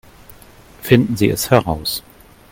Finden Sie es heraus!